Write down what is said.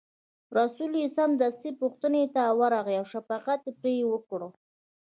رسول یې سمدستي پوښتنې ته ورغی او شفقت یې پرې وکړ.